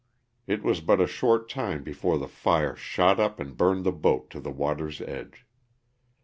It was but a short time before the fire shot up and burned the boat to the water's edge.